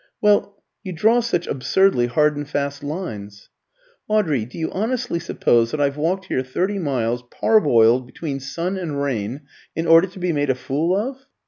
"Well you draw such absurdly hard and fast lines." "Audrey, do you honestly suppose that I've walked here thirty miles, parboiled between sun and rain, in order to be made a fool of?"